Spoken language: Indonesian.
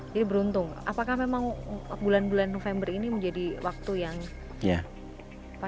jadi beruntung apakah memang bulan bulan november ini menjadi waktu yang pas